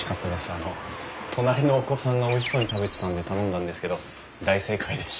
あの隣のお子さんがおいしそうに食べてたので頼んだんですけど大正解でした。